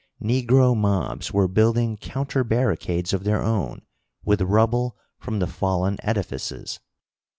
Negro mobs were building counter barricades of their own with rubble from the fallen edifices.